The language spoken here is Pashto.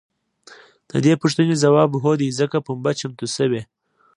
د دې پوښتنې ځواب هو دی ځکه پنبه چمتو شوې.